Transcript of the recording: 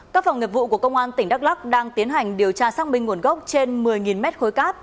các phòng nghiệp vụ của công an tỉnh đắk lắc đang tiến hành điều tra xác minh nguồn gốc trên một mươi mét khối cát